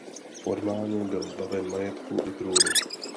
Formálně byl zbaven majetku i trůnu.